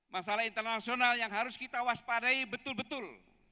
masalah internasional yang harus kita waspadai betul betul